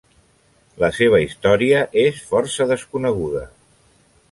La seva història és força desconeguda.